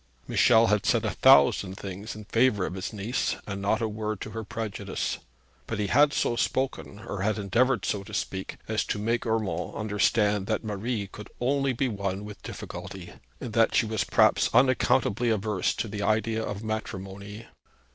Michel had said a thousand things in favour of his niece and not a word to her prejudice; but he had so spoken, or had endeavoured so to speak, as to make Urmand understand that Marie could only be won with difficulty, and that she was perhaps unaccountably averse to the idea of matrimony.